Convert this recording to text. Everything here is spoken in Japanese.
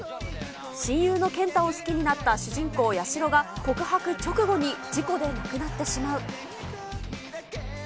親友のケンタを好きになった主人公、やしろが、告白直後に事故で亡くなってしまう。